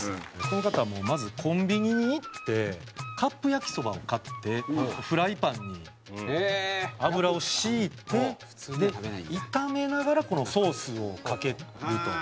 この方はもうまずコンビニに行ってカップ焼きそばを買ってフライパンに油をひいて炒めながらこのソースをかけると。